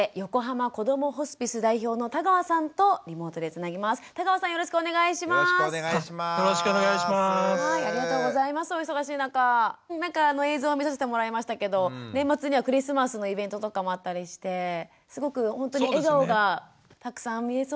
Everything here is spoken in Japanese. なんかあの映像を見させてもらいましたけど年末にはクリスマスのイベントとかもあったりしてすごくほんとに笑顔がたくさん見れそうですね。